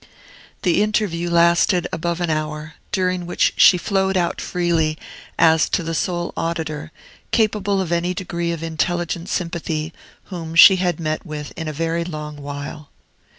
The interview lasted above an hour, during which she flowed out freely, as to the sole auditor, capable of any degree of intelligent sympathy, whom she had met with in a very long while.